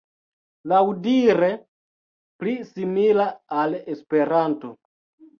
Laŭdire pli simila al Esperanto.